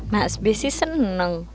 mas besi seneng